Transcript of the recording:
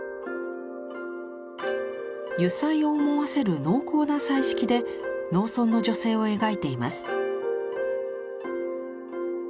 油彩を思わせる濃厚な彩色で農村の女性を描いています。